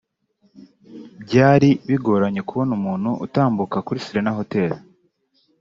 Byari bigoranye kubona umuntu utambuka kuri Serena Hotel